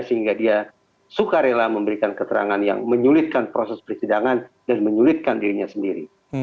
sehingga dia suka rela memberikan keterangan yang menyulitkan proses persidangan dan menyulitkan dirinya sendiri